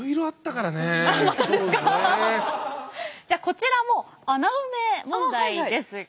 じゃあこちらも穴埋め問題です。